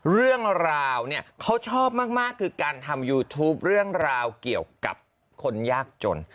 เรื่องราวเนี่ยเขาชอบมากคือการทำยูทูปเรื่องราวเกี่ยวกับคนยากจน